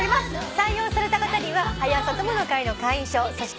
採用された方には「はや朝友の会」の会員証そして。